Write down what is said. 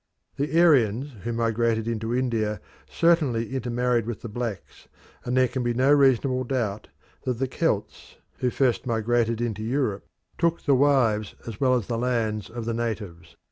The Aryans, who migrated into India, certainly intermarried with the blacks, and there can be no reasonable doubt that the Celts who first migrated into Europe took the wives as well as the lands of the natives.